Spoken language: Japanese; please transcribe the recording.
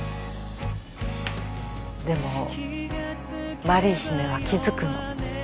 でもマリー姫は気づくの。